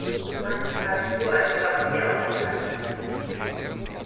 Könnte es sein, dass Balfour als Vampir auferstanden ist?